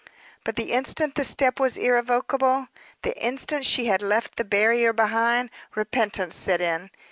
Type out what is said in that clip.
But the instant the step was irrevocable, the instant she had left the barrier behind, repentance set in.